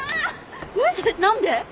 えっ何で？